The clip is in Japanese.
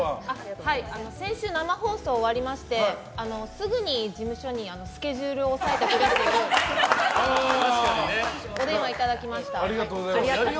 先週、生放送が終わりましてすぐに事務所にスケジュールを押さえてくれとお電話をいただきました。